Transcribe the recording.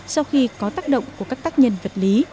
sau khi có tác động của các tác nhân vật lý